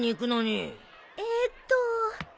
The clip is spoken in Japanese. えーっと。